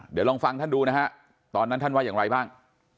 เดี๋ยวลองฟังท่านดูนะฮะตอนนั้นท่านว่าอย่างไรบ้าง